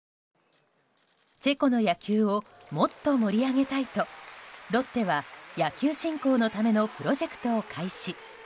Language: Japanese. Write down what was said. チェコの野球をもっと盛り上げたいとロッテは野球振興のためのプロジェクトを開始。